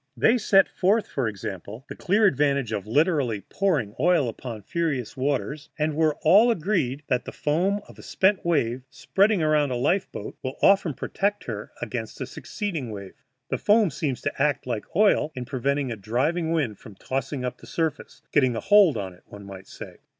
They set forth, for example, the clear advantage of literally pouring oil upon furious waters, and were all agreed that the foam of a spent wave, spreading around a life boat, will often protect her against a succeeding wave. The foam seems to act like oil in preventing a driving wind from tossing up the surface getting a hold on it, one might say.